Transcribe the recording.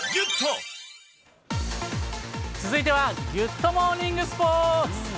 続いてはギュッとモーニングスポーツ。